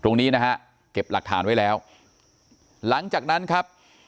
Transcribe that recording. ตรงนี้นะฮะเก็บหลักฐานไว้แล้วหลังจากนั้นครับ